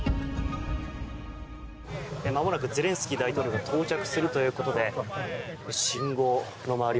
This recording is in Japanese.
まもなくゼレンスキー大統領が到着するということで信号の周り